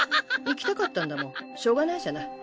行きたかったんだもんしょうがないじゃない。